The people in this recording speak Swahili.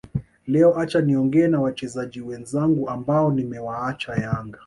Leo acha niongee na wachezaji wenzangu ambao nimewaacha Yanga